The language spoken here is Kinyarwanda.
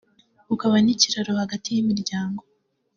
ukaba n’ikiraro hagati y’imiryango